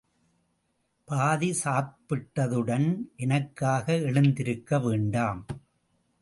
பாதி சாப்பிட்டதுடன் எனக்காக எழுந்திருக்க வேண்டாம்.